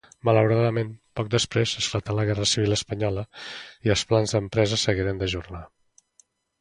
Malauradament, poc després esclatà la guerra civil espanyola i els plans de l'empresa s'hagueren d'ajornar.